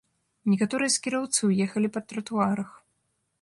Некаторыя з кіроўцаў ехалі па тратуарах.